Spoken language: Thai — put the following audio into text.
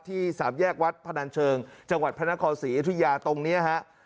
สามแยกวัดพนันเชิงจังหวัดพระนครศรีอยุธยาตรงนี้ฮะ